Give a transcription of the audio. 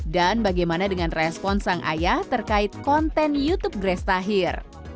dan bagaimana dengan respon sang ayah terkait konten youtube grace tahir